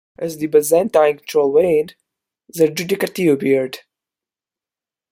As the Byzantine control waned, the Giudicati appeared.